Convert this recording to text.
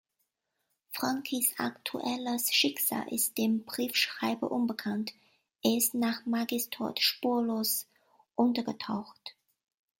Frankies aktuelles Schicksal ist dem Briefschreiber unbekannt, er ist nach Maggies Tod spurlos untergetaucht.